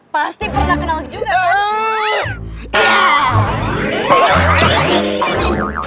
pasti pernah kenal juga